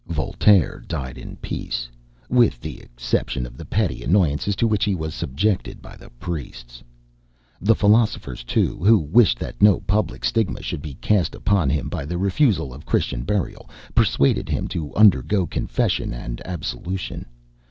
Voltaire died in peace, with the exception of the petty annoyances to which he was subjected by the priests. The philosophers, too, who wished that no public stigma should be cast upon him by the refusal of Christian burial, persuaded him to undergo confession and absolution.